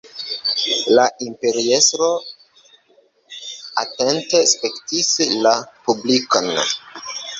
La imperiestro atente spektis la publikon.